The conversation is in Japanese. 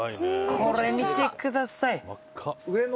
これ見てください！